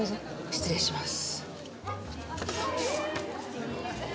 失礼します。